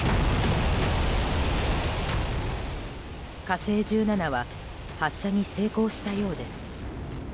「火星１７」は発射に成功したようです。